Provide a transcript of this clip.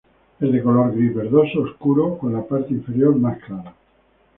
Es de color gris verdoso oscuro, con la parte inferior más clara.